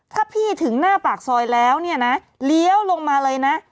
ถ้าพี่ถึงหน้าปากซอยแล้วเนี่ยนะเลี้ยวลงมาเลยนะ